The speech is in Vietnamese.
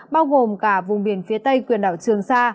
bao gồm cả vùng biển phía tây quần đảo trường sa